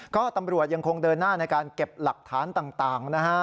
ก็ตำรวจยังคงเดินหน้าในการเก็บหลักฐานต่างนะฮะ